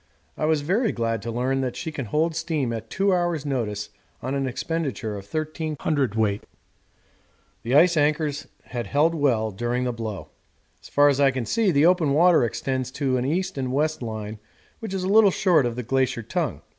I was very glad to learn that she can hold steam at two hours' notice on an expenditure of 13 cwt. The ice anchors had held well during the blow. As far as I can see the open water extends to an east and west line which is a little short of the glacier tongue.